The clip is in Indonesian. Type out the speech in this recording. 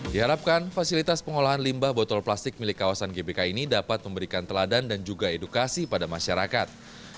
diharapkan fasilitas pengolahan limbah botol plastik milik kawasan gbk ini dapat memberikan teladan dan juga edukasi pada masyarakat